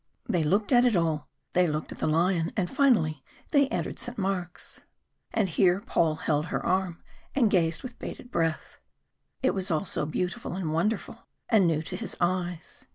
They looked at it all, they looked at the lion, and finally they entered St. Mark's. And here Paul held her arm, and gazed with bated breath. It was all so beautiful and wonderful, and new to his eyes.